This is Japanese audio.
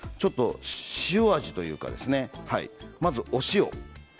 塩味というかね、まずお塩。